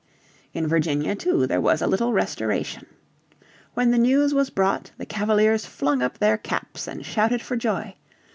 In Virginia too there was a little Restoration. When the news was brought the Cavaliers flung up their caps and shouted for joy.